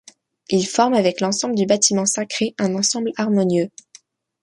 Il forme, avec l'ensemble du bâtiment sacré, un ensemble harmonieux.